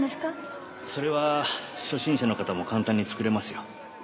それは初心者の方も簡単に作れますよ